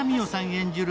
演じる